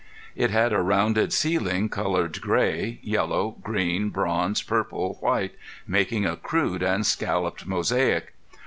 It had a rounded ceiling colored gray, yellow, green, bronze, purple, white, making a crude and scalloped mosaic.